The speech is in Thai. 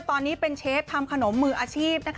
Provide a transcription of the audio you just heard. ตอนนี้เป็นเชฟทำขนมมืออาชีพ